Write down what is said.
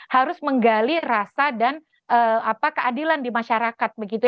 harus menggali rasa dan keadilan di masyarakat